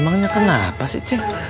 emangnya kenapa sih ceng